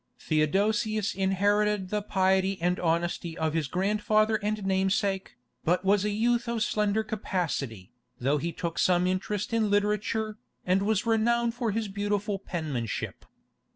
Theodosius inherited the piety and honesty of his grandfather and namesake, but was a youth of slender capacity, though he took some interest in literature, and was renowned for his beautiful penmanship.